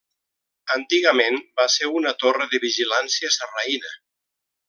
Antigament va ser una torre de vigilància sarraïna.